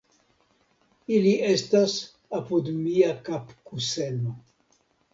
Ili estas apud mia kapkuseno.